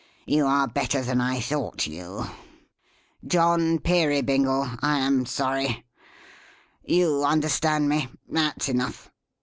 You are better than I thought you. John Peerybingle, I am sorry. You understand me; that's enough.